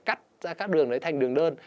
cắt ra các đường đấy thành đường đơn